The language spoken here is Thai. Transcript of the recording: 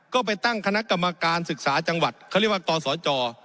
ก็ไปตั้งคณะกรรมการศึกษาจังหวัดเขาเรียกว่ากศจ